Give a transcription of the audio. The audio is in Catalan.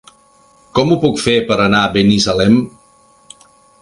Com ho puc fer per anar a Binissalem?